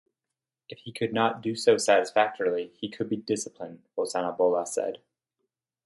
If he could not do so satisfactorily, he could be disciplined, Vosanibola said.